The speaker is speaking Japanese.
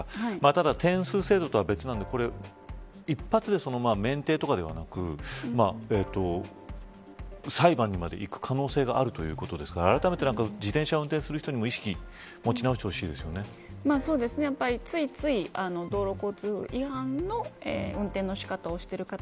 ただ点数制度とは別なので一発で免停とかではなく裁判にまでいく可能性があるということですからあらためて自転車を運転する人にも意識をついつい道路交通違反の運転の仕方をしている方